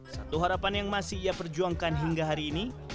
satu harapan yang masih ia perjuangkan hingga hari ini